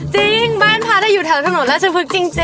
จริงบ้านพัทรอยู่แถวถนนแล้วจะพึกจริง